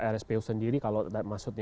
rspo sendiri kalau